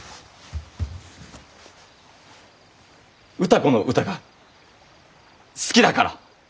歌子の唄が好きだから。